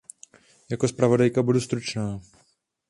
Jako zpravodajka budu stručná.